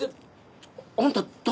あんた誰？